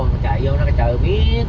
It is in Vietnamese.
nó chạy vô nó chạy biết